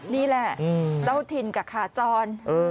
นี่แหละเจ้าถิ่นกับขาจร